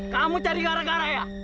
kamu cari gara gara ya